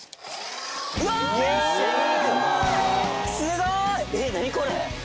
すごい！えっ何これ？